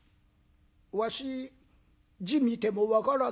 「わし字見ても分からねえ」。